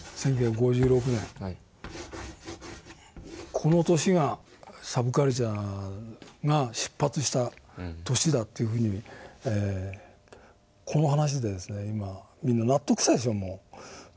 この年がサブカルチャーが出発した年だというふうにこの話でですね今みんな納得したでしょうもう。